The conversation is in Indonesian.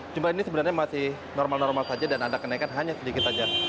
jumlah ini sebenarnya masih normal normal saja dan ada kenaikan hanya sedikit saja